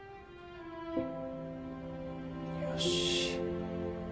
よし。